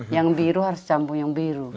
yang biru harus campur yang biru